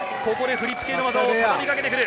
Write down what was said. フリップ系の技をたたみかけてくる。